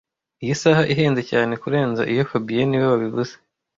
Iyi saha ihenze cyane kurenza iyo fabien niwe wabivuze